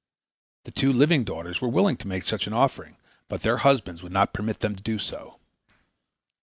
The two living daughters were willing to make such an offering, but their husbands would not permit them to do so.